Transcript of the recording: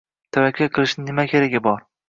Tavakkal qilishning nima keragi bor